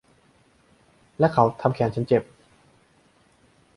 และเขาทำแขนฉันเจ็บ